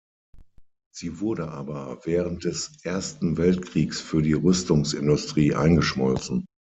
Sie wurde aber während des Ersten Weltkriegs für die Rüstungsindustrie eingeschmolzen.